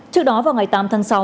trước đó vào ngày tám tháng sáu